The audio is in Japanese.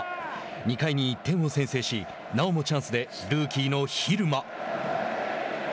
２回に１点を先制しなおもチャンスでルーキーの蛭間。